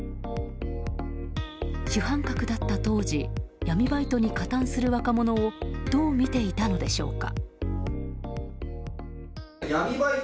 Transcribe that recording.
主犯格だった当時闇バイトに加担する若者をどう見ていたのでしょうか。